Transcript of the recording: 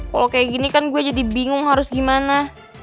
kalau kayak gini kan gue jadi bingung harus gimana